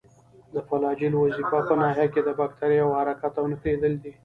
د فلاجیل وظیفه په ناحیه کې د باکتریاوو حرکت او نښلیدل دي.